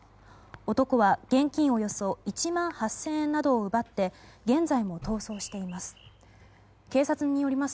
男は現金およそ１万８０００円などを奪って現在も逃走しています。